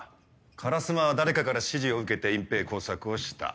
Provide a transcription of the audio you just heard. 烏丸は誰かから指示を受けて隠蔽工作をした。